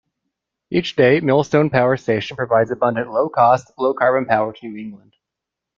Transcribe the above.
Each day Millstone Power Station provides abundant low-cost, low-carbon power to New England.